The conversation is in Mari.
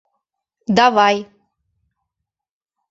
Давай.